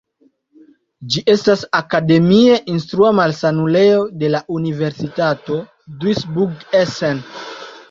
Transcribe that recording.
Ĝi estas akademie instrua malsanulejo de la Universitato Duisburg-Essen.